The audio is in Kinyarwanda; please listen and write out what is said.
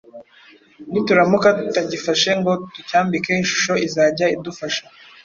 nituramuka tutagifashe ngo tucyambike ishusho izajya idufasha